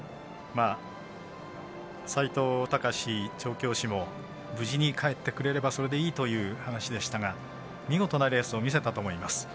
斉藤崇史調教師も「無事に帰ってくれればそれでいい」という話でしたが、見事なレースを見せたと思います。